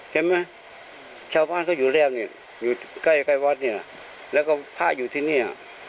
คือเช้าบ้านอยู่แรบกับวัดและผ้าอยู่ที่นี้